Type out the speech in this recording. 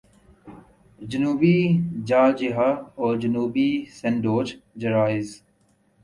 جنوبی جارجیا اور جنوبی سینڈوچ جزائر